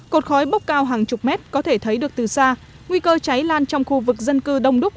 cột khói bốc cao hàng chục mét có thể thấy được từ xa nguy cơ cháy lan trong khu vực dân cư đông đúc